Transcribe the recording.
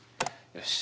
よし。